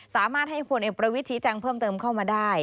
สามารถให้ผลเอกประวิทย์ชี้แจงเพิ่มเติมเข้ามาได้